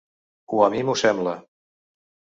O a mi m’ho sembla.